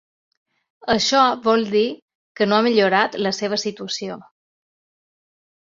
Això vol dir que no ha millorat la seva situació.